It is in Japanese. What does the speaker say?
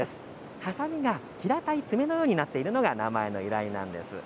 はさみが平たい爪のようになっているのが、名前の由来なんです。